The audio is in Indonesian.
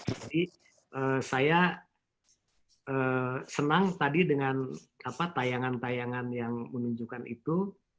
jadi saya senang tadi dengan tayangan tayangan yang menunjukkan itu